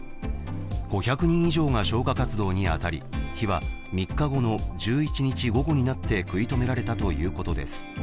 ５００人以上が消火活動に当たり火は３日後の１１日午後になって食い止められたということです。